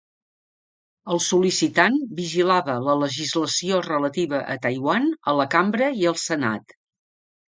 El sol·licitant vigilava la legislació relativa a Taiwan a la Cambra i al Senat.